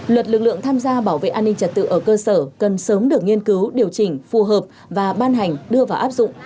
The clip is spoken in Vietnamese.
luật lực lượng tham gia bảo vệ an ninh trật tự ở cơ sở cần sớm được nghiên cứu điều chỉnh phù hợp và ban hành đưa vào áp dụng